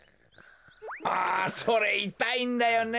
あそれいたいんだよね。